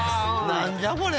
何じゃこれ！